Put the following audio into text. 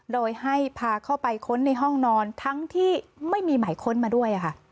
โดยให้พาเข้าไปค้นในห้องนอนทั้งที่ไม่มีหมายค้นมาด้วยค่ะ